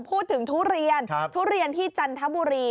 ทุเรียนทุเรียนที่จันทบุรี